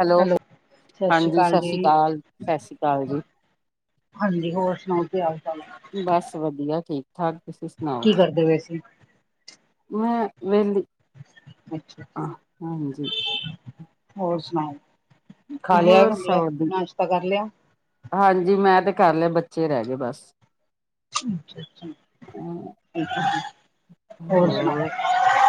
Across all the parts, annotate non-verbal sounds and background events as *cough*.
Hello ਸਤਿ ਸ੍ਰੀ ਹਾਂਜੀ ਅਕਾਲ ਸਤਿ ਸ਼੍ਰੀ ਜੀ ਅਕਾਲ ਸਤਿ ਸ਼੍ਰੀ ਅਕਾਲ ਜੀ ਹਾਂਜੀ ਹੋਰ ਸੁਣਾਓ ਕੀ ਆ ਤੁ ਬਸ ਵਧੀਆ ਠੀਕ ਠਾਕ ਤੁਸੀਂ ਸੁਣਾਓ ਕੀ ਕਰਦੇ ਪਏ ਸੀ ਮੈਂ ਵਦੀ ਅਾ ਹੋਰ ਸੁਣਾਓ ਖਾ ਲਿਆ ਹੋਰ ਗਤਲਬ ਸੌ ਦੀ ਨਾਸ਼ਤਾ ਕਰ ਲਿਆ ਹਾਂਜੀ ਮੈਂ ਤੇ ਕਰ ਲਿਆ ਬੱਚੇ ਰਹਿ ਗਏ ਬਸ ਅੱਛਾ ਅੱਛਾ ਅੱਛਾ ਜ ਹੋਰ ਸੁਣਾ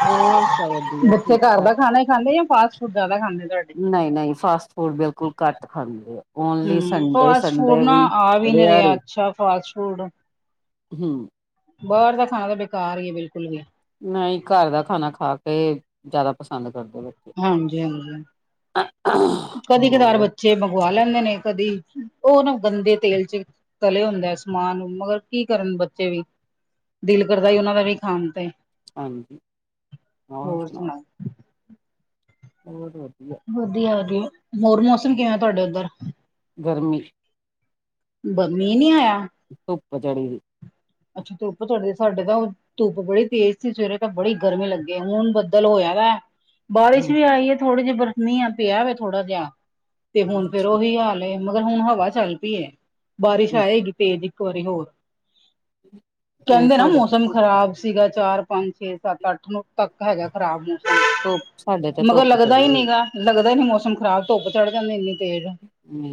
ਹੋਰ ਸਭ ਵਧੀਆ ਬੱਚੇ ਠੀਕ ਘਰ ਠਾਕ ਦਾ ਖਾਣਾ ਹੀ ਖਾਂਦੇ ਜਾਂ ਫਾਸ ਫੱਦ ਦਾ ਖਾਂਦੇ ਤੁਹਾੇ ਨਹੀਂ ਨਹੀਂ ਫਾਸਟ ਫੂਡ ਬਿਲਕੁਲ ਘੱਟ ਖਾਂਦੇ ਆ ਓਨਲੀ ਹਮ ਸੰਡੇ ਫਾਸਟ ਫੂਡ ਸੰਡੇ ਨਾ ਵੀ ਆ ਨਹੀਂ ਰਿਹਾ ਰਿਿਆਾਰੀ ਅੱਛਾ ਫਾਸਟ ਹਮ ਬਰਡ ਦਾ ਖਾਣਾ ਤਾਂ ਬੇਕਾਰ ਹੀ ਹੈ ਬਿਲਕੁਲ ਵੀ ਨਹੀਂ ਘਰ ਦਾ ਖਾਣਾ ਖਾ ਕੇ ਜ਼ਿਆਦਾ ਪਸੰਦ ਕਰਦਾ ਹਾਂਜੀ ਹਾਂਜੀ ਹੱ ਕਦੀ ਕਤਾਰ ਬੱਚੇ ਮੰਗਵਾ ਲੈਂਦੇ ਨੇ ਕਦੀ ਉਹ ਨਾ ਗੰਦੇ ਤੇਲ ਚ ਤਲੇ ਹੁੰਦਾ ਸਮਾਨ ਨੂੰ ਮਗਰ ਕੀ ਕਰਨ ਬੱਚੇ ਵੀ ਦਿਲ ਕਰਦਾ ਸੀ ਉਹਨਾਂ ਦਾ ਵੀ ਖਾਣ ਤੇ ਹਾਂਜੀ ਹੋਰ ਸੁਣਾਓ ਹੋ ਵਧੀਆ ਵਧੀਆ ਵਧੀਆ ਹੋਰ ਮੌਸਮ ਕਿਵੇਂ ਤੁਹਾਡੇ ਉੱਧਰ ਗਰਮੀ ਮੀਂਹ ਨਹੀਂੀ ਆਇਆ ਧੁੱਪ ਚੜੀ ਅੱਛਾ ਤੇ ਉੱਪਰ ਚੜ ਸਾਡੇ ਤਾਂ ਧੁੱਪ ਬੜੀ ਤੇਜ਼ ਸੀ ਸਵੇਰੇ ਤਾਂ ਬੜੀ ਗਰਮੀ ਲੱਗੀ ਹੁਣ ਬੱਦਲ ਹੋਇਆ ਵਾ ਹੂੰ ਬਾਰਿਸ਼ ਵੀ ਹੂੰ ਆਈ ਹੈ ਥੋੜੇ ਜਿਹੀ ਬਰਫ਼ਨੀ ਆ ਪਿਆ ਵ ਥੋੜਾ ਜਿਹਾ ਤੇ ਹੁਣ ਫੇਰ ਉਹੀ ਹਾਲ ਮਗਰ ਹੁਣ ਹਵਾ ਚੱਲ ਪਈ ਹੈ ਬਾਰਿਸ਼ ਆਏਗੀ ਤੇਜ਼ ਇੱਕ ਵਾਰੀ ਹੋਰ ਹਮ ਕਹਿੰਦੇ ਨਾ ਮੌਸਮ ਖ਼ਰਾਬ ਸੀਗਾ ਚਾਰ ਪੰਜ ਛੇ ਸੱਤ ਅੱਠ ਨੂੰ ਤੱਕ ਹੈਗਾ ਖ਼ਰਾਬ ਧੁੱਪ ਸਾਡੇ ਤੇ ਮੌਸਮ ਮਗਰ ਧੁੱਪ ਲੱਗਦਾ ਚੜੀ ਹੀ ਹੋਈ ਨਹੀਂੀ ਗਗਾ ਲੱਗਦਾ ਨਹੀਂ ਮੌਸਮ ਖਰਾਬ। ਧੁੱਪ ਚੜ, ਜਾਂਦੀ ਇੰਨੀ ਤੇਜ਼। ਹੂੰ।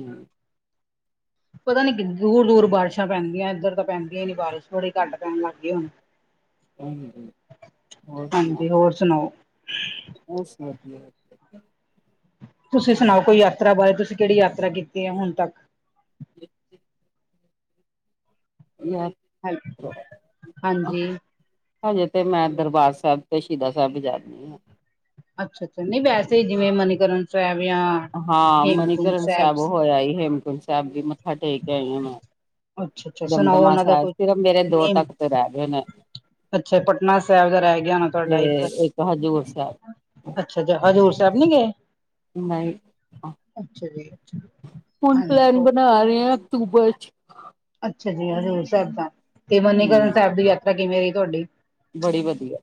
ਪਤਾ ਨੀ, ਕਿ ਦੂਰ- ਦੂਰ, ਬਾਰਿਸ਼ਾਂ ਪੈਂਦੀਆਂ। ਇੱਧਰ ਤਾਂ, ਪੈਂਦੀਆਂ ਹੀ ਨੀ ਬਾਰਿਸ਼। ਥੋੜੀੱ ਘਟ ਪੈਣ, ਲੱਗ ਗਈ ਹੁਣ। ਹਮ ਹੋਰ ਸੁਣਾ ਹਾਂਜੀ ਹੋਰ ਸੁਣਾਓ ਹੋਰ ਸੁਣਾਓ ਕੀ ਹਾਲ ਹੈ? ਤੁਸੀਂ ਸੁਣਾਓ, ਕੋਈ ਯਾਤਰਾ ਬਾਰੇ। ਤੁਸੀਂ ਕਿਹੜੀ ਯਾਤਰਾ, ਕੀਤੀ ਹੈ। ਹੁਣ ਤੱਕ। *inaudible* ਕੀ ਐ। ਹੈਲੋ, ਹਾਂਜੀ। ਹਜੇ ਤੇ ਮੈਂ, ਦਰਬਾਰ ਸਾਹਿਬ, ਤੇ ਸ਼ਹੀਦਾ ਸਾਹਿਬ ਜਾ ਰਹੀ ਆ। ਅੱਛਾ- ਅੱਛਾ, ਨਹੀਂ ਵੈਸੇ ਹੀ, ਜਿਵੇਂ ਮਨੀਕਰਨ ਸਾਹਿਬ, ਜਾਂ ਹਾਂ, ਮਨੀਕਰਨ ਸਾਹਿਬ, ਹੋਇਆ ਸੀ। ਹੇਮਕੁੰਟ ਸਾਹਿਬ ਵੀ, ਮੱਥਾ ਟੇਕ ਆਈ ਆ, ਮੈਂ। ਅੱਛਾ ਅੱਛਾ ਸੁਣਾਓ ਉਹਨਾਂ ਦਮਦਮਾਸ਼ਾ ਦਾ ਸਾਹਿਬ ਕੋਈ ਵੀ, ਸਿਰਫ ਮੇਰੇ ਦੋ, ਨੇਮ ਤੱਕਤ ਰਹਿ ਗਏ ਨੇ। ਅੱਛਾ, ਪਟਨਾ ਸਾਹਿਬ, ਦਾ ਰਹਿ ਗਿਆ ਹੋਣਾ। ਤੇ ਤੁਹਾਡਾ ਇਥੇ। ਇੱਕ ਹਜ਼ੂਰ ਸਾਹਿਬ ਅੱਛਾ, ਹਜ਼ੂਰ ਸਾਹਿਬ, ਨੀ ਗਏ? ਨਹੀਂ, ਅੱਛਾ ਜੀ ਹੁਣ ਹਾਂਜੀ ਪਲੈਨ, ਹੋਰ ਬਣਾ ਰਹੇ ਆ। ਅਕਤੂਬਰ ਚ। ਅੱਛਾ ਜੀ, ਹਜ਼ੂਰ ਸਾਹਿਬ ਦਾ। ਤੇ ਮਨੀਕਰਨ ਹੂੰ ਸਾਹਿਬ, ਦੀ ਯਾਤਰਾ ਕਿਵੇਂ ਰਹੀ ਤੁਹਾਡੀ। ਬੜੀ ਵਧੀਆ।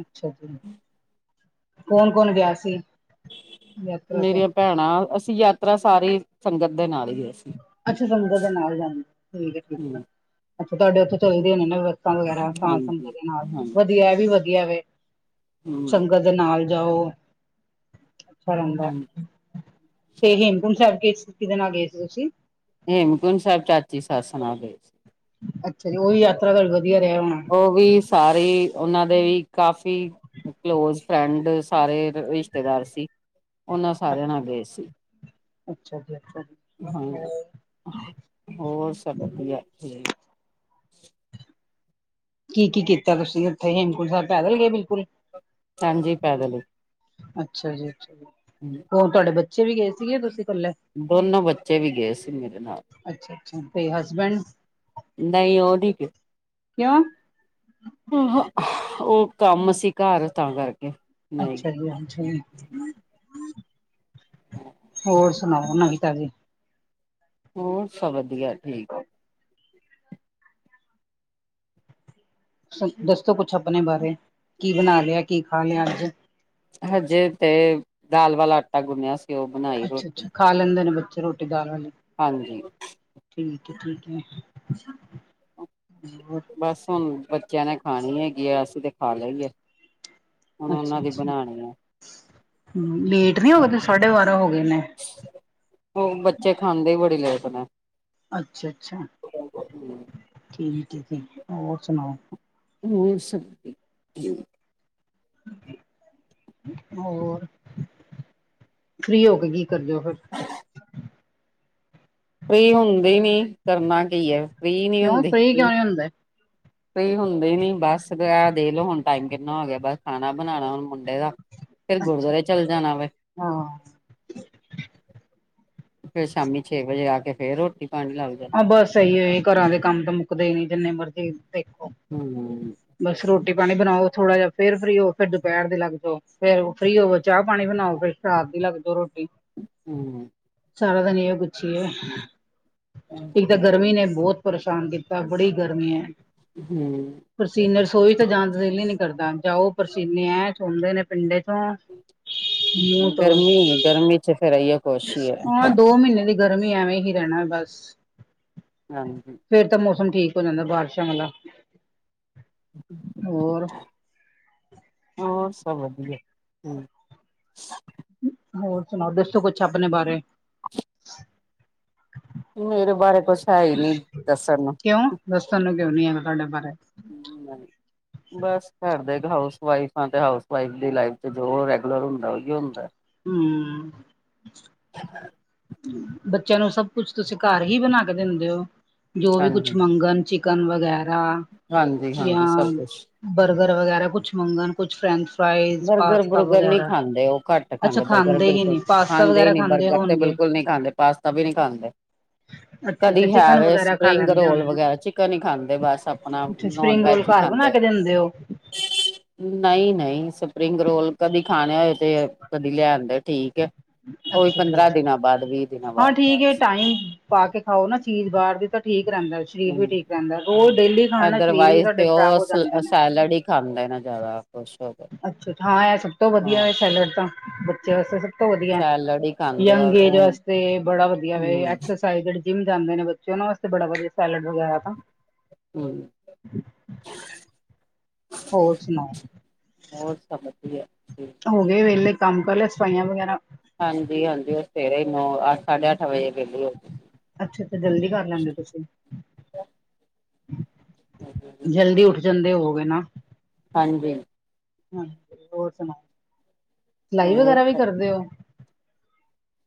ਅੱਛਾ ਜੀ। ਕੌਣ- ਕੌਣ ਗਿਆ ਸੀ? ਯਾਤਰਾ ਤੇ ਮੇਰੀਆਂ ਭੈਣਾਂ। ਅਸੀਂ ਯਾਤਰਾ, ਸਾਰੀ ਸੰਗਤ ਦੇ ਨਾਲ ਹੀ ਹੈ। ਅੱਛਾ, ਸੰਗਤ ਦੇ ਨਾਲ ਜਾਂਦੇ। ਠੀਕ ਹੈ। ਹੂੰ ਅੱਛਾ, ਤੁਹਾਡੇ ਉੱਥੇ ਜਾਂਦੀ ਹੋਣੀ ਨਾ, ਫੇਰ ਕੀਰਤਨ ਵਗੈਰਾ ਸੰਗਤ ਹਾਂਜੀ ਦੇ ਨਾਲ। ਹਾਂਜੀ ਵਧੀਆ ਐ ਵੀ, ਵਧੀਆ ਵੇ। ਹੂੰ ਸੰਗਤ ਦੇ ਨਾਲ ਜਾਓ। ਅੱਛਾ, ਰਹਦਾ। ਹਾਂਜੀ ਤੇ ਹੇਮਕੁੰਟ ਸਾਹਿਬ, ਗਏ ਸੀ। ਕਿਦੇ ਨਾਲ ਗਏ ਸੀ ਤੁਸੀਂ? ਹੇਮਕੁੰਟ ਸਾਹਿਬ, ਚਾਚੀ ਸੱਸ ਨਾਲ, ਗਈ ਸੀ। ਅੱਛਾ ਜੀ। ਉਹ ਹੀ ਯਾਤਰਾ ਫੇਰ, ਵਧੀਆ ਰਿਹਾ ਹੋਣਾ। ਉਹੀ ਸਾਰੇ ਉਹਨਾਂ, ਦੇ ਵੀ ਕਾਫੀ ਕਲੋਜ ਫਰੈਂਡ, ਸਾਰੇ ਰਿਸ਼ਤੇਦਾਰ ਸੀ। ਉਹਨਾਂ ਸਾਰਿਆਂ, ਨਾਲ ਗਏ ਸੀ। ਅੱਛਾ ਜੀ- ਅੱਛਾ ਜੀ। ਹਾਂਜੀ, ਹੋਰ ਹੋਰ ਸਭ ਵਧੀਆ, ਠੀਕ। ਕੀ-ਕੀ, ਕੀਤਾ ਤੁਸੀਂ ਉੱਥੇ। ਹੇਮਕੁੰਟ ਸਾਹਿਬ, ਪੈਦਲ ਗਏ ਬਿਲਕੁਲ। ਹਾਂਜੀ ਪੈਦਲ ਹੀ ਅੱਛਾ ਜੀ, ਹੋਰ ਤੁਹਾਡੇ ਬੱਚੇ ਬੱਚੇ ਵੀ, ਗਏ ਸੀਗੇ। ਤੁਸੀਂ ਇਕੱਲੇ ਦੋਨੋ, ਬੱਚੇ ਵੀ ਗਏ ਸੀ। ਮੇਰੇ ਨਾਲ। ਅੱਛਾ- ਅੱਛਾ, ਤੇ ਹਸਬੈਂਡ? ਨਹੀਂ, ਓ ਨਹੀ ਗਏ। ਕਿਉਂ? ਉਹ, ਕੰਮ ਸੀਂ ਘਰ, ਤਾਂ ਕਰਕੇ। ਨਹੀਂ ਅੱਛਾ ਗਏ ਜੀ-ਅੱਛਾ ਜੀ, ਹੂੰ। ਹੋਰ, ਸੁਣਾਓ ਨਵੀ ਤਾਜੀ? ਹੋਰ, ਸਭ ਵਧੀਆ ਜੀ। ਦੱਸੋ ਕੁਛ, ਆਪਣੇ ਬਾਰੇ। ਕੀ ਬਣਾ ਲਿਆ, ਕੀ ਖਾ ਲਿਆ। ਅੱਜ ਹਜੇ ਤੇ, ਦਾਲ ਵਾਲਾ, ਆਟਾ ਗੁੰਣਿਆ ਸੀ। ਉਹ ਬਣਾਈ ਅੱਛਾ ਰੋਟੀ। ਅੱਛਾ ਖਾ ਲੈਂਦੇ ਨੇ ਬੱਚੇ, ਰੋਟੀ ਦਾਲ ਵਾਲੀ। ਹਾਂਜੀ। ਠੀਕ ਹੈ- ਠੀਕ ਹੈ। ਹੋਰ? ਬਸ, ਹੁਣ ਬੱਚਿਆਂ ਨੇ, ਖਾਣੀ ਹੈਗੀ ਆ। ਅਸੀਂ ਤੇ ਖਾ ਲਈ ਏ। ਅੱਛਾ -ਅੱਛਾ। ਆ ਹੂੰ, ਲੇਟ ਨੀ ਹੋ ਗਏ। ਸਾਢੇ ਬਾਰਾਂ ਹੋ ਗਏ ਨੇ। ਉਹ, ਬੱਚੇ ਖਾਂਦੇ ਹੀ, ਬੜੀ ਲੋਟ ਨੇ। ਅੱਛਾ -ਅੱਛਾ, ਠੀਕ ਹੈ ਜੀ। ਹੋਰ ਸੁਣਾਓ? ਹੋਰ ਸਭ ਹੋਰ ਫਰੀ ਹੋ ਕੇ ਕੀ ਕਰਦੇ ਹੋ ਫਿਰ ਫਰੀ ਹੁੰਦੇ ਨੀ, ਕਰਨਾ ਕੀ ਹੈ, ਫ੍ਰੀ ਨੀ ਕਿਉਂ ਹੁੰਦੀ ਫ੍ਰਰੀ ਕਿਉਂ ਨੀ ਹੁੰਦਾ ਫਰੀ ਹੁੰਦੇ ਨੀ ਬਸ ਦੇ ਲਓ ਹੁਣ ਟਾਈਮ ਕਿੰਨਾ ਹੋ ਗਿਆ ਬਸ ਖਾਣਾ ਬਣਾਉਣਾ ਹੁਣ ਮੁੰਡੇ ਦਾ ਫਿਰ ਅੱਛਾ ਗੁਰਦੁਆਰੇ ਚੱਲੇ ਜਾਣਾ ਵੇ ਹਾਂ ਫ਼ਿਰ ਸ਼ਾਮੀ ਛੇ ਵਜੇ ਆਕੇ ਫੇਰ ਰੋਟੀ ਪਾਣੀ ਲੱਗ ਜਾਣਾ ਹਾਂ ਬਸ ਇਹੀ ਹੈ ਘਰਾਂ ਦੇ ਕੰਮ ਤਾਂ ਮੁੱਕਦੇ ਨੀ ਜਿੰਨੇ ਮਰਜ਼ੀ ਦੇਖੋ ਹਮ ਬਸ ਰੋਟੀ ਪਾਣੀ ਬਣਾਓ ਥੋੜਾ ਜਿਹਾ ਫੇਰ ਫਰੀ ਹੋ ਫਿਰ ਦੁਪਹਿਰ ਦੇ ਲੱਗ ਜਾਓ ਫੇਰ ਫਰੀ ਹੋਵੋ ਚਾਹ ਪਾਣੀ ਬਣਾਓ, ਫਿਰ ਰਾਤ ਦੀ ਲੱਗ ਜਾ ਰੋਟੀ ਹਮ ਸਾਰਾ ਦਿਨ ਇਹੋ ਕੁਛ ਹੈ ਇੱਕ ਤਾਂ ਗਰਮੀ ਨੇ ਬਹੁਤ ਪਰੇਸ਼ਾਨ ਕੀਤਾ ਬੜੀ ਗਰਮੀ ਹੈ ਹਮ ਪਸੀਨੇ ਰਸੋਈ ਤਾਂ ਜਾਂਣ ਦਿਲ ਹੀ ਨਹੀਂ ਕਰਦਾ, ਜਾਓ ਪਸੀਨੇ ਐਂ ਚੋੰਣਦੇ ਨੇ ਪਿੰਡੇ ਤੋਂ, ਮੂੰਹ ਤੋਂ ਗਰਮੀ ਗਰਮੀ ਚ ਫੇਰ ਆਈਏ ਕੁਛ ਹੀ ਹੈ ਉਹ ਦੋ ਮਹੀਨੇ ਦੀ ਗਰਮੀ, ਐਵੇਂ ਹੀ ਰਹਿਣਾ ਬਸ ਹਾਂਜੀ। ਫਿਰ ਤਾਂ ਮੌਸਮ ਠੀਕ ਹੋ ਜਾਂਦਾ ਬਾਰਿਸ਼ਾਂ ਵਾਲਾ, ਹੋਰ ਹੋਰ, ਸਭ ਵਧੀਆ। ਹੋਰ ਸੁਣਾਓ। ਦੱਸੋ, ਕੁਛ ਅਪਣੇ ਬਾਰੇ। ਮੇਰੇ ਬਾਰੇ ਕੁਛ ਹੈ ਹੀ ਨੀ, ਦੱਸਣ ਨੂੰ। ਕਿਉਂ ਦੱਸਣ ਨੂੰ ਕਿਉਂ ਨੀ ਹੈਗਾ ਤੁਹਾਡੇ ਬਾਰੇ। ਨਹੀ ਬਸ ਘਰ ਦੇ ਹਾਊਸ ਵਾਈਫ ਆ, ਤੇ ਹਾਊਸ ਵਾਈਫ ਦੀ ਲਾਈਫ ਚ ਜੋ ਰੈਗੂਲਰ ਹੁੰਦਾ, ਔਹੀ ਹੁੰਦਾ। ਹੂੰ ਹੂੰ *inaudible* *inaudible* ਬੱਚਿਆਂ ਨੂੰ ਸਭ ਕੁਛ ਤੁਸੀਂ ਘਰ ਹੀ ਬਣਾ ਕੇ ਦਿੰਦੇ ਹੋ, ਜੋ ਵੀ ਕੁਛ ਹਾਂਜੀ ਮੰਗਣ ਚਿ ਚਿਕਨ ਵਗੈਰਾ ਹਾਂਜੀ ਹਾਂਜੀ ਸਭ ਜਾਂ ਕੁਛ ਬਰਗਰ ਵਗੈਰਾ ਕੁਛ ਮੰਗਣ ਕੁਛ ਫਰੈਂਡ ਬਰਗਰ ਬੁਰਗਰ ਨਹੀ ਖਾਂਦੇ ਉਹ, ਘੱਟ ਅੱਛਾ ਖਾਂਦੇ ਬਰਗਰ ਹੀ ਨੀ ਬਿਲਕੁਲ, ਪਾਸਤਾ ਖਾਂਦੇ ਹੀ ਵਗੈਰਾ ਨੀ ਬਰਗਰ ਤੇ ਹੋਣਗੇ ਬਿਲਕੁਲ ਨੀ ਸਾਡੇ ਪਾਸਤਾ ਵੀ ਨਹੀ ਖਾਂਦੇ। ਅੱਛਾ ਕਦੀ ਚਿਕਨ ਹੈਵੇ ਵਗੈਰਾ ਖਾ ਸਪਰਿੰਗ ਲੈਂਦੇ ਰੋਲ ਹੋਣੇ ਨਾ, ਵਗੈਰਾ ਚਿਕਨ ਹੀ ਖਾਂਦੇ ਬਸ ਆਪਣਾ ਅੱਛਾ ਸਪਰਿੰਗ ਰੋਲ ਘਰ ਬਣਾ ਕੇ ਦਿੰਦੇ ਔ। ਨਹੀ, ਨਹੀ ਸਪਰਿੰਗ ਰੋਲ ਕਦੀ ਖਾਣੇ ਹੋਏ ਤੇ ਕਦੀ ਲੈ ਆਂਉਦੇ, ਠੀਕ ਏ। ਉਹੀ ਅੱਛਾ ਜੀ ਪੰਦਰਾਂ ਦਿਨਾਂ ਬਾਅਦ, ਵੀਹ ਦਿਨਾਂ ਹਾਂ ਬਾਅਦ ਠੀਕ ਹੈ ਬਸ ਟਾਈਮ ਪਾ ਕੇ ਖਾਓ ਨਾ ਚੀਜ਼ ਬਾਹਰ ਦੀ ਤਾਂ ਠੀਕ ਰਹਿੰਦਾ ਸਰੀਰ ਵੀ ਹੂੰ। ਠੀਕ ਰਹਿੰਦਾ। ਰੋਜ਼ ਹੂੰ। ਡੇਲੀ ਖਾਣ ਨਾਲ ਸਰੀਰ ਵੀ ਅਦਰਵਾਈਜ਼ ਸਾਡੇ ਤੇ ਖ਼ਰਾਬ ਹੋ ਜਾਂਦੇ ਉਹ ਨੇ। ਸੈਲਡ ਹੀ ਖਾਂਦੇ ਨੇ ਜ਼ਿਆਦਾ ਖੁਸ਼ ਹੋ ਕੇ ਅੱਛਾ, ਹਾਂ ਏ ਸਭ ਤੋਂ ਵਧੀਆ ਹਾਂ। ਸੈਲਡ ਤਾਂ, ਬੱਚੇ ਵਾਸਤੇ ਸਭ ਤੋਂ ਵਧੀਆ ਏ। ਸੈਲਡ ਹੀ ਖਾਂਦੇ ਯੰਗ ਔਰ ਏਜ ਉਹ ਵਾਸਤੇ ਬੜਾ ਵਧੀਆ ਵੇ, ਹੂੰ-ਹੂੰ ੲਕਸੱਸ ਸਹੀ, ਜਿਹੜੇ ਜਿਮ ਜਾਂਦੇ ਨੇ ਬੱਚੇ, ਉਹਨਾਂ ਵਾਸਤੇ ਬੜਾ ਵਧੀਆ ਸੈਲਡ ਵਗੈਰਾ ਤਾਂ। ਹੂੰ। ਹੋਰ ਸੁਣਾਓ। ਹੋਰ ਸਭ ਵਧੀਆ। ਹੋ ਗਏ ਵਿਹਲੇ, ਕੰਮ ਕਰ ਲਿਆ ਸਫਾਈਆਂ ਵਗੈਰਾ। ਹਾਂਜੀ ਹਾਂਜੀ ਉਹ ਸਵੇਰੇ ਹੀ ਨੌ, ਅੱਠ, ਸਾਢੇ ਅੱਠ ਵਜੇ ਵੇਹਲੀ ਹੋ ਅੱਛਾ- ਅੱਛਾ, ਜਲਦੀ ਕਰ ਲੈਂਦੇ ਤੁਸੀ ਗਈ। ਜਲਦੀ ਉੱਠ ਜਾਂਦੇ ਹੋਵੇਗੇ ਨਾ। ਹਾਂਜੀ। ਹੋਰ ਸੁਣਾਔ, ਸਿਲਾਈ ਹੋਰ ਵਗੈਰਾ ਵੀ ਕਰਦੇ ਹੋ।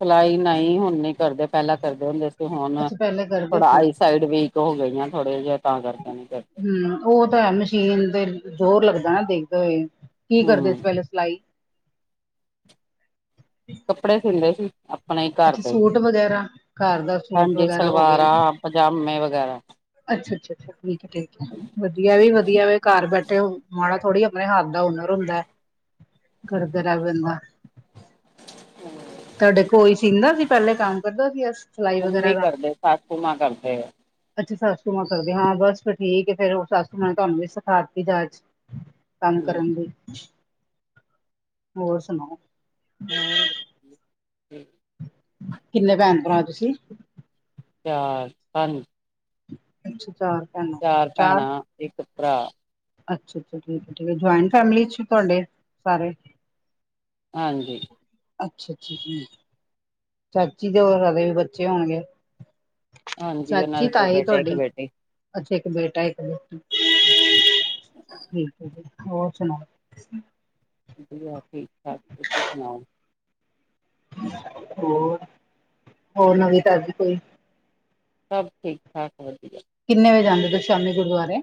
ਸਿਲਾਈ ਨਹੀਂ ਹੁਣ ਨੀ ਕਰਦੇ। ਪਹਿਲਾਂ ਕਰਦੇ ਹੁੰਦੇ ਸੀ ਹੁਣ ਅੱਛਾ ਪਹਿਲੇ ਕਰਦੇ ਥੋੜਾ ਸੀ ਆਈਸ ਸਾਈਡ ਵੀਕ ਹੋ ਗਈਆਂ ਥੋੜੇ ਜਿਹੇ ਤਾਂ ਕਰਕੇ ਨੀ ਕਰਦੇ। ਹੂੰ ਉਹ ਤਾਂ ਹੈ ਮਸ਼ੀਨ ਤੇ ਜ਼ੋਰ ਲੱਗਦਾ ਨਾ ਦੇਖਦੇ ਹੋਏ, ਕੀ ਕਰਦੇ ਹੂੰ ਸੀ ਪਹਿਲੇ ਸਿਲਾਈ? ਕੱਪੜੇ ਸੀਂਉਦੇ ਸੀ। ਅਪਣੇ ਹੀ ਘਰ ਅੱਛਾ ਦੇ, ਸੂਟ ਵਗੈਰਾ ਘਰ ਦਾ ਸੂਟ ਹਾਂਜੀ ਵਗੈਰਾ ਹੋ ਗਏ ਸਲਵਾਰਾਂ, ਪਜਾਮੇ ਵਗੈਰਾ ਅੱਛਾ ਅੱਛਾ, ਠੀਕ ਆ ਠੀਕ ਆ। ਵਧੀਆ ਏ ਵੀ ਵਧੀਆ, ਘਰ ਬੈਠੇ ਔ ਮਾੜਾ ਥੋੜੀ ਏਹ ਹੱਥ ਦਾ ਹੁਨਰ ਹੁੰਦਾ, ਕਰਦੇ ਰਹਨ ਦਾ ਹੂੰ। ਤੁਹਾਡੇ ਕੋਈ ਸੀਦਾਂ ਸੀ ਪਹਿਲੇ ਕੰਮ ਕਰਦਾ ਪੈਆ ਸੀ। ਸਿਲਾਈ ਵਗੈਰਾ ਮੰਮੀ ਦਾ ਕਰਦੇ, ਸਸੂ ਮਾਂ ਕਰਦੇ ਆ। ਅੱਛਾ ਸੱਸੂ ਮ ਕਰਦੇ ਆ, ਹਾਂ ਬਸ ਫਿਰ ਠੀਕ ਹੈ ਫੇਰ ਉਹ ਸੱਸੂ ਮਾਂ ਨੇ ਤੁਹਾਨੂੰ ਵੀ ਸਿਖਾ ਦਿੱਤੀ ਜਾਚ ਕੰਮ ਕਰਨ ਲਈ। ਹੋਰ ਸੁਣਾਓ। ਹੂੰ। ਕਿੰਨੇ ਭੈਣ- ਭਰਾ ਤੁਸੀਂ? ਚਾਰ, ਪੰਜ ਅੱਛਾ ਚਾਰ ਚਾਰ ਭੈਣਾਂ ਇੱਕ ਭਰਾ ਅੱਛਾ ਅੱਛਾ ੀ ੀ ਜੁਆਇੰਟ ਫੈਮਲੀ ਚ ਤੁਹਾਡੇ ਸਾਰੇ ਹਾਂਜੀ ਅੱਛਾ ਅੱਛਾ ਹ ਚਾਚੀ ਤੇ ਹੋ ਕਦੇ ਵੀ ਬੱਚੇ ਹੋਣਗੇ ਹਾਂਜੀ ਉਹ ਚਾਚੀ ਨਾਲ ਦੋ ਤਾਈ ਬੇਟੇ ਇੱਕ ਤੁਹਾਡੀ ਬੇਟੀੇ ਅੱਛਾ ਇੱਕ ਬੇਟਾ ਇੱਕ ਬੇਾ ਠੀਕ ਹੈ ਜੀ ਹੋਰ ਸੁਣਾਓ ਵਧੀਆ ਠੀਕ ਠਾਕ ਤੁਸੀਂ ਸੁਣਾਓ ਹੋਰ ਹੋਰ ਨਵੀਂ ਤਦੀ ਕੋਈ ਸਭ ਠੀਕ ਠਾਕ ਵਧੀਆ ਕਿੰਨੇ ਵਜੇ ਜਾਂਦੇ ਤੁ ਸ਼ਾਮੀ ਗੁਰਦੁਆਰੇ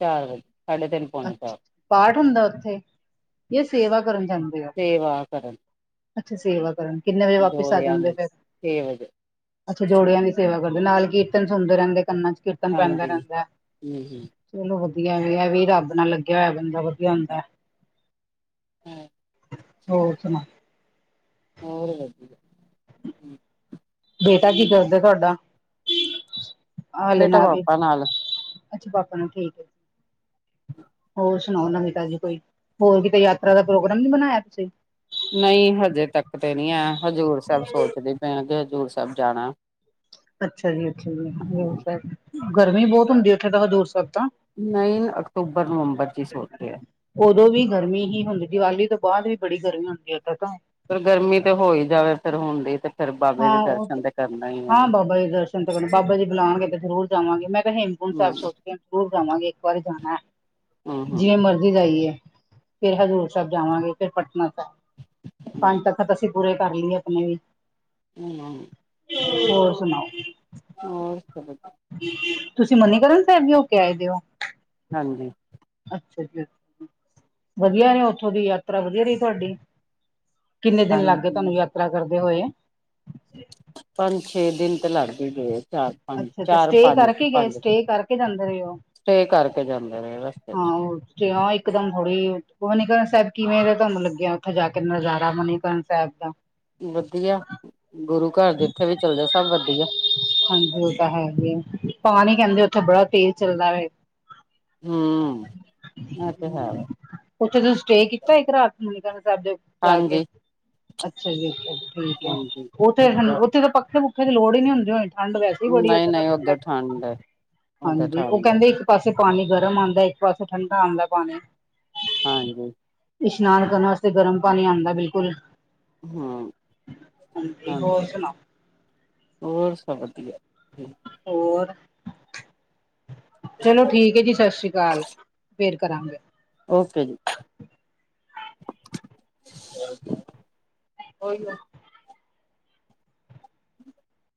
ਚਾਲ ਸਾਡੇ ਤਨ ਅੱ ਪਾਠ ਹੁੰਦਾ ਉੱਥੇ ਇਹ ਸੇਵਾ ਕਰਨ ਜਾਂਦਾ ਸੇਵਾ ਕਰਦੇ ਅੱਛਾ ਸੇਵਾ ਕਰਨ ਕਿੰਨੇ ਵਜੇ ਵਾਪਿਸ ਆ ਜੋੜਿਆਂ ਜਾਂਦੇ ਨੂੰ ਫਿਰ ਛੇ ਵਜੇ ਅੱਛਾ ਜੋੜਿਆਂ ਦੀ ਸੇਵਾ ਕਰਦੇ ਨਾਲ ਕੀਰਤਨ ਸੁੰਦਰ ਰਹਿੰਦੇ ਕੰਨਾਂ ਚ ਕੀਰਤਨ ਖਤਮ ਪੈਂਦਾ ਹਾਂਜੀ ਰਹਿੰਦਾ ਹੂੰ ਚਲੋ ਵਧੀਆ ਵੀ ਵੀ ਰੱਬ ਨਾਲ ਲੱਗਿਆ ਹੋਇਆ ਬੰਦਾ ਵਧੀਆ ਹੁੰਦਾ ਹਮ ਹੋਰ ਸੁਣਾ ਰ ਵੱ ਹ ਬੇਟਾ ਕੀ ਕਰਦਾ ਤੁਹਾਡਾ ਹਲੇੇ ਬੇਟਾ ਨਾ ਵੀ ਪਾਪਾ ਨਾਲ ਅੱਛਾ ਪਾਪਾ ਨਾਲ ਠੀਕ ਹੋਰ ਸੁਣਾਓ ਨਵਿਤਾ ਜੀ ਕੋਈ ਹੋਰ ਕਿਤੇ ਯਾਤਰਾ ਦਾ ਪ੍ਰੋਗਰਾਮ ਨੀ ਬਣਾਇਆ ਤੁਸੀਂ ਨਹੀਂ ਹਜੇ ਤੱਕ ਤੇ ਨਹੀਂੀ ਹੈ ਹਜ਼ੂਰ ਸਾਹਿਬ ਸੋਚਦੇ ਪੈਣਗੇ ਹਜ਼ੂਰ ਸਾਹਿਬ ਜਾਣਾ ਅੱਛਾ ਜੀ ਅੱਛਾ ਹਾਂ ਜੀ ਗਰਮੀ ਬਹੁਤ ਹੁੰਦੀ ਹੈ ਉੱਥੇ ਤਾਂ ਹਜ਼ੂਰ ਸਭਬ ਤਾਂ ਨਹੀਂ ਅਕਤੂਬਰ ਨਵੰਬਰ ਚ ਹੀ ਸੋਚ ਕੇ ਹੈ ਉਦੋਂ ਵੀ ਗਰਮੀ ਹੀ ਹੁੰਦੀ ਦੀਵਾਲੀ ਤੋਂ ਬਾਅਦ ਵੀ ਬੜੀ ਗਰਮੀ ਹੁੰਦੀ ਏਦ ਤਾਂ ਫਿਰ ਗਰਮੀ ਤੇ ਹੋ ਹੀ ਜਾਵੇ ਫਿਰ ਹੁੰਣਦੀ ਤੇ ਫਿਰ ਬਾਬੇ ਦੇ ਹਾਂ ਦਰਸ਼ਨ ਤੇ ਕਰਨਾ ਹੀ ਹੈਾ ਚਿੰਤਾ ਬਾਬਾ ਜੀ ਬੁਲਾਉਣਗੇ ਤੇ ਜ਼ਰੂਰ ਜਾਵਾਂਗੇ ਮੈਂ ਤਾਂ ਹੇਮਕੁੰਟ ਹੂੰ ਸਾਹਿਬ ਸੋਚ ਕੇ ਜ਼ਰੂਰ ਜਾਵਾਂਗੇ ਇੱਕ ਵਾਰੀ ਜਾਣਾ ਹੂੰ ਜਿਵੇਂ ਮਰਜ਼ੀ ਜਾਈਏ ਫਿਰ ਹਜ਼ੂਰ ਸਾਹਿਬ ਜਾਵਾਂਗੇ ਫਿਰ ਪਟਨਾ ਹੂੰ ਪੰਜ ਤਖ਼ਤ ਅਸੀਂ ਪੂਰੇ ਕਰ ਲਈਏ ਆਪਣੇ ਵੀ *inaudible* ਹੋਰ ਸੁਣਾਓ। ਹੋਰ ਸ *inaudible* ਤੁਸੀਂ ਮੰਨੀਕਰਨ ਸਾਹਿਬ ਵੀ ਹੋ ਕੇ ਆਏ ਦਿ ਓ? ਹਾਂਜੀ। ਅੱਛਾਜੀ ਅਸ਼ਾ। ਵਧੀਆ ਰਿਹਾ ਉਥੋਂ ਦੀ ਯਾਤਰਾ ਵਧੀਆ ਰਹੀ ਤੁਹਾਡੀ? ਕਿੰਨੇ ਦਿਨ ਲੱਗ ਗਏ ਤੁਹਾਨੂੰ ਹਾਂਜੀ ਯਾਤਰਾ ਕਰਦੇ ਹੋਏ? ਪੰਜ ਛੇ ਦਿਨ ਤਾਂ ਲੜ ਗ ਗੇ ਚਾਰ ਪੰਜ ਅੱਛਾ ਅੱਛਾ ਚਾਰ ਸਟੇ ਪੰਜ ਕਰਕੇ ਗਏ ਪੰਜ ਸਟੇ ਕਰਕੇ ਜਾਂਦੇ ਰਹੇ ਹੋ ਸਟੇਅ ਕਰਕੇ ਜਾਂਦੇ ਨੇ ਰਸਤੇ 'ਚ। ਕਿਆ ਇਕ ਦਮ ਹੌਲ਼ੀ ਮਨੀਕਰਨ ਸਾਹਿਬ ਕਿਵੇਂ ਦਾ ਤੂਹਾਨੂੰ ਲੱਗਿਆ ਉੱਥੇ ਜਾ ਕੇ ਨਜ਼ਾਰਾ ਮਨੀਕਰਨ ਸਾਹਿਬ ਦਾ? ਵਧੀਆ ਗੁਰੂ ਘਰ ਜਿੱਥੇ ਵੀ ਚਲੇ ਜਾ, ਸਭ ਵਧੀਆ। ਹਾਂਜੀ ਉਹ ਤਾਂ ਹੈਗੇ। ਪਾਣੀ ਕਹਿੰਦੇ ਉੱਥੇ ਬੜਾ ਤੇਜ਼ ਚੱਲਦਾ ਐ। *inaudible* ਹੂੰ ਇਹ ਤੇ ਹੈ ਉੱਥੇ ਦ ਸਟੇਅ ਕੀਤਾ ਇੱਕ ਰਾਤ ਮਨੀਕਰਨ ਸਾਹਿਬ ਦੇ ਜਾ ਕੇ? ਹਾਂਜੀ ਅੱਛਾ ਜੀ ਅੱਛ ਹਾਂਜੀ। ਓਥੇ ਇਸ ਤਰ੍ਹਾਂ ਸਾਨੂੰ ਓਥੇ ਤਾਂ ਪੱਖੇ ਪੁੱਖੇ ਦੀ ਲੋੜ ਈ ਨੀ ਹੁੰਦੀ ਹੋ *unintelligible* ਠੰਡ ਵੈਸੇ ਈ ਬੜੀ ਨਹੀਂ ਉਥੇ ਨਹੀਂ *unintelligible* ਉੱਧਰ ਠੰਡ ਹੈ ਉੱਧਰ ਹਾਂਜੀ ਓ ਠੰਡ ਹੈ ਕੈਂਦੇ ਇੱਕ ਇਕ ਪਾਸੇ ਪਾਣੀ ਗਰਮ ਆਂਦਾ ਇੱਕ ਪਾਸੇ ਠੰਡਾ ਆਂਦਾ ਪਾਣੀ। ਹਾਂਜੀ। ਇਸ਼ਨਾਨ ਕਰਨ ਵਾਸਤੇ ਗਰਮ ਪਾਣੀ ਆਂਦਾ ਬਿਲਕੁੱਲ। ਹੂੰ, ਹੋਰ ਹਾਂਜੀ। ਸੁਣਾਓ ਹੋਰ ਸਭ ਵਧੀਐ। ਹੋਰ ਚਲੋ ਠੀਕ ਐ ਜੀ। ਸਤਿ ਸ਼੍ਰੀ ਅਕਾਲ। ਫੇਰ ਕਰਾਂਗੇ। ਓਕੇ ਜੀ। ਓਹੀ ਓ। *unintelligible* *inaudible*